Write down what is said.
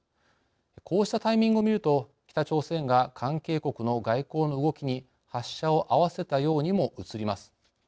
こうしたタイミングを見ると北朝鮮が関係国の外交の動きに発射を合わせたようにもうつります。